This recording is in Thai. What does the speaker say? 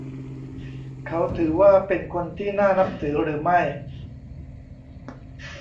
เขาถือว่าเป็นคนที่น่านับถือหรือไม่ ?